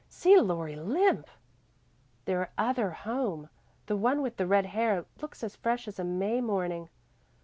"See Laurie limp!" "Their other home the one with the red hair looks as fresh as a May morning."